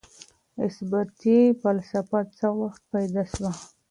اثباتي فلسفه څه وخت پيدا سوه؟